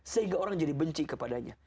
sehingga orang jadi benci kepadanya